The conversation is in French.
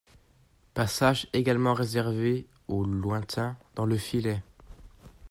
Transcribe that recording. Passage également réservé, au lointain, dans le filet.